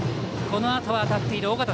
このあと当たっている緒方。